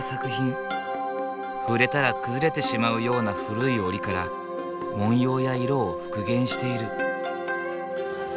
触れたら崩れてしまうような古い織から文様や色を復元している。